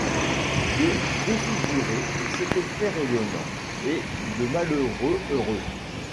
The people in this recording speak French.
De défiguré, il s’était fait rayonnant, et de malheureux, heureux.